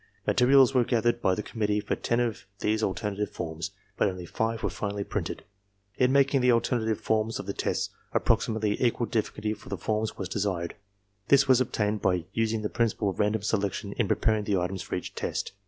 Materials were gathered by the committee for ten of these alternative forms, but only five were finally printed. In making the alternative forms of the tests, approximately equal difiiculty for the forms was desired. This was obtained by using the principle of random selection in preparing the items for each test.